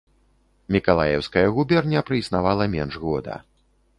Мікалаеўская губерня праіснавала менш года.